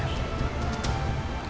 itu dari siapa lo gak tau